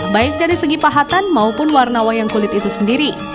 baik dari segi pahatan maupun warna wayang kulit itu sendiri